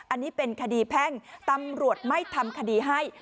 อันนี้เป็นคดีแพ่งตำรวจไม่ทำคดีให้